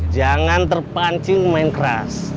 jangan terpancing main keras